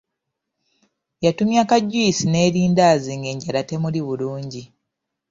Yatumya ka juyisi n'erindaazi ng'enjala temuli bulungi.